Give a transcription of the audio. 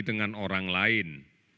dengan orang lain